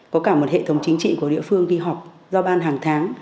có cả một hệ thống chính trị của địa phương đi họp giao ban hàng tháng